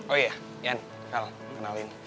oh iya ian hal kenalin